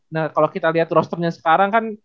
nah kalau kita lihat rosternya sekarang kan